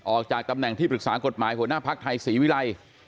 ออกจากตำแหน่งที่ปรึกษากฎหมายหัวหน้าภักดิ์ไทยศรีวิรัย